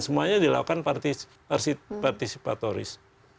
semuanya dilakukan participatoris